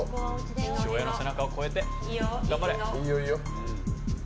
父親の背中を超えて、頑張れ。